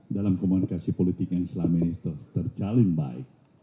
dalam komunikasi politik yang selama ini terjalin baik